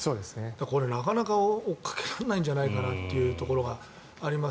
これ、なかなか追っかけられないんじゃないかというところがあります。